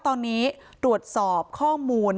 ตอนนี้ตรวจสอบข้อมูล